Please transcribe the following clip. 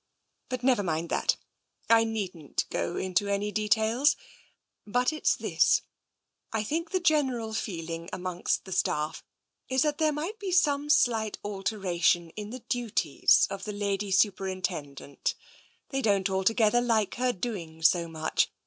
But never mind that. I needn't go into any details, but it's this — I think the general feeling amongst the staff is that there might be some slight alteration in the duties of the Lady Superintend ent. They don't altogether like her doing so much.